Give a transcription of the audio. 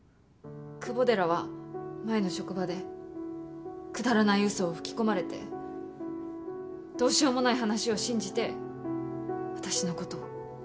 久保寺は前の職場でくだらないうそを吹き込まれてどうしようもない話を信じて私のことを。